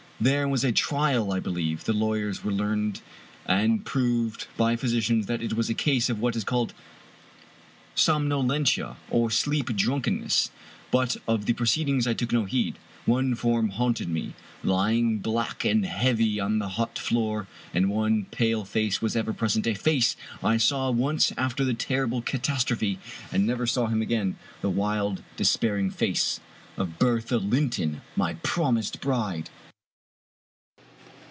There was a trial, I believe. The lawyers were learned, and proved by physicians that it was a case of what is called somnolentia, or sleep drunkenness; but of the pro ceedings I took no heed. One form haunted me, lying black and heavy on the hut floor; and one pale face was ever present — a face I saw once after the terrible catas trophe, and never saw again — ^the wild, despairing face of Bertha Linton, my jpromised bride